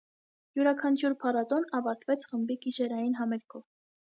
Յուրաքանչյուր փառատոն ավարտվեց խմբի գիշերային համերգով։